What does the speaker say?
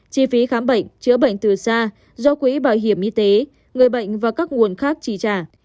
chi phí khám bệnh chữa bệnh từ xa do quỹ bảo hiểm y tế người bệnh và các nguồn khác trì trả